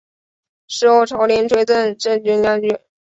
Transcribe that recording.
事后朝廷追赠镇军将军。